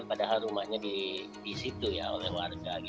padahal rumahnya di situ ya oleh warga